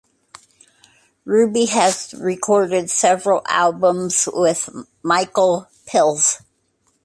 Ruby has recorded several albums with Michel Pilz.